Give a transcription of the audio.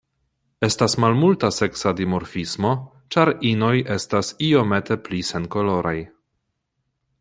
Estas malmulta seksa dimorfismo, ĉar inoj estas iomete pli senkoloraj.